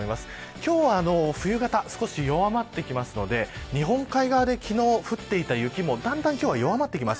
今日は冬型が少し弱まってきますので日本海側で降っていた雪もだんだん弱まります。